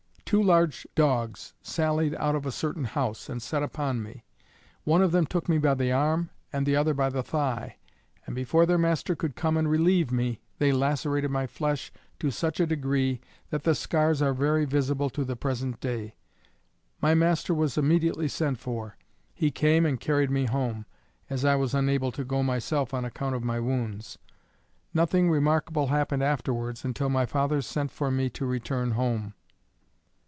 Two large dogs sallied out of a certain house and set upon me. One of them took me by the arm, and the other by the thigh, and before their master could come and relieve me, they lacerated my flesh to such a degree, that the scars are very visible to the present day. My master was immediately sent for. He came and carried me home, as I was unable to go myself on account of my wounds. Nothing remarkable happened afterwards until my father sent for me to return home.